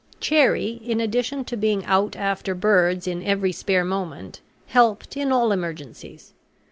Cherrie, in addition to being out after birds in every spare moment, helped in all emergencies.